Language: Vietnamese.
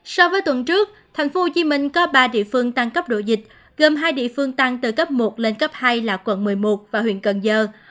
so với tuần trước tp hcm có ba địa phương tăng cấp độ dịch gồm hai địa phương tăng từ cấp một lên cấp hai là quận một mươi một và huyện cần giờ